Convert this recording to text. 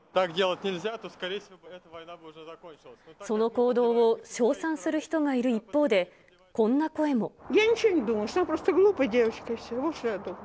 その行動を称賛する人がいる一方で、こんな声も。